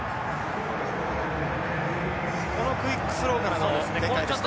このクイックスローからの展開でした。